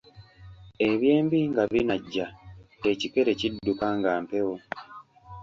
Eby'embi nga binajja ekikere kidduka nga mpewo!